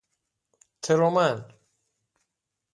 ترومن